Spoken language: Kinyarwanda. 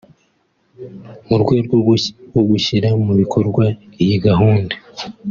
mu rwego rwo gushyira mu bikorwa iyi gahunda